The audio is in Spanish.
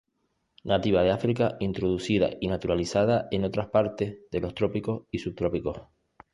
Nativa de África, introducida y naturalizada en otras partes de los trópicos y subtrópicos.